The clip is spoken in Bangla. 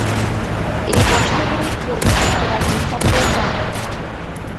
এই বছরই কবি যুক্তরাজ্য সফরে যান।